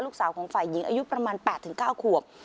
ลูกสาวของฝ่ายหญิงอายุประมาณ๘๙ขวบ